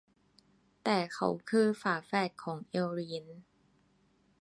แต่เขาคือ ฝาแฝดของเอลลีน